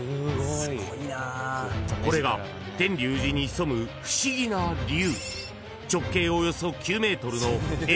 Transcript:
［これが天龍寺に潜む不思議な龍］